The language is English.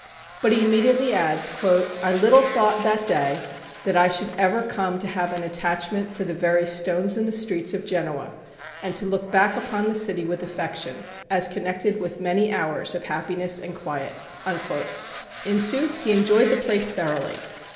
But he immediately adds: "I little thought that day that I should ever come to have an attachment for the very stones in the streets of Genoa, and to look back upon the city with affection, as connected with many hours of happiness and quiet." In sooth, he enjoyed the place thoroughly.